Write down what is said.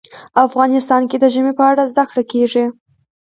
افغانستان کې د ژمی په اړه زده کړه کېږي.